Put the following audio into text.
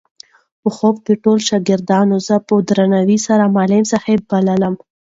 په خوب کې ټولو شاګردانو زه په درناوي سره معلم صاحب بللم.